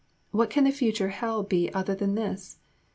What can the future hell be other than this?